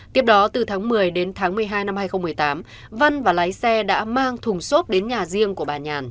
tiếp đó từ tháng một mươi đến tháng một mươi hai năm hai nghìn một mươi tám văn và lái xe đã mang thùng xốp đến nhà riêng của bà nhàn